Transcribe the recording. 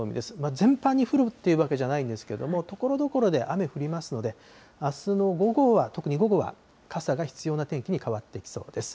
全般に降るというわけじゃないんですけれども、ところどころで雨、降りますので、あすの午後は、特に午後は、傘が必要な天気に変わっていきそうです。